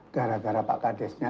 gara gara pak kadesnya